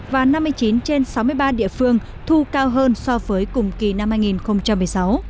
và năm mươi chín trên sáu mươi ba địa phương thu cao hơn so với cùng kỳ năm hai nghìn một mươi sáu